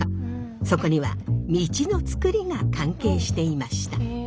そこには道の作りが関係していました。